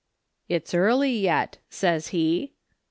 "' It's early yet,' says he.